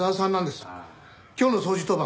今日の掃除当番